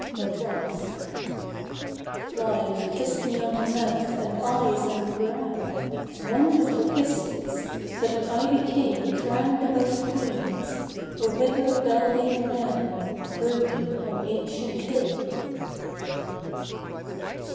Madras. Clive kissed me on the mouth and eyes and brow, Wonderful kisses, so that I became Crowned above Queens a withered beldame now, Brooding on ancient fame.